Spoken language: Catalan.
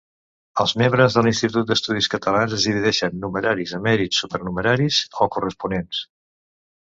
Els membres de l'Institut d'Estudis Catalans es divideixen numeraris, emèrits, supernumeraris o corresponents.